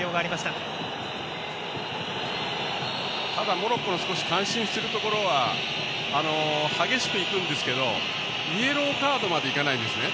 モロッコの感心しているところは激しくいくんですけどイエローカードまでいかないんです。